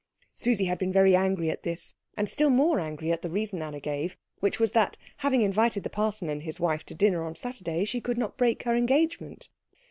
Susie had been very angry at this, and still more angry at the reason Anna gave, which was that, having invited the parson and his wife to dinner on Saturday, she could not break her engagement.